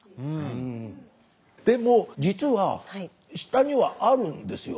でも実は下にはあるんですよ。